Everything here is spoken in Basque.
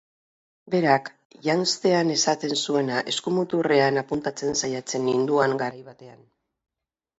Berak janztean esaten zuena eskumuturrean apuntatzen saiatzen ninduan, garai batean.